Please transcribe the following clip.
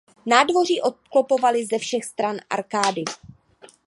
Nádvoří obklopovaly ze všech stran arkády.